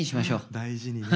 大事にね。